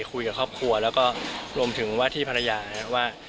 คุยกับครอบครัวแล้วก็รวมถึงว่าที่ภรรยาว่า